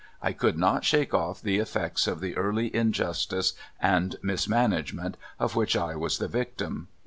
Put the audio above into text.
I could not shake off the eflects of the early injustice and mismanagement of which I was the victim.